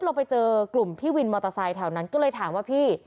เราไปเจอกลุ่มพี่วินมอเตอร์ไซค์แถวนั้นก็เลยถามว่าพี่